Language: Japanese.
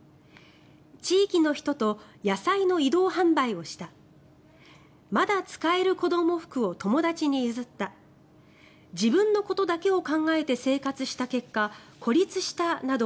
地域の人と野菜の移動販売をしたまだ使える子ども服を友達に譲った自分のことだけを考えて生活した結果、孤立したなど